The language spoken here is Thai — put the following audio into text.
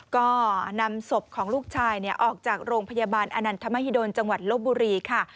ก็นำศพของลูกชายออกจากโรงพยาบาลอนันทมหิดลจังหวัดลบบุรีค่ะ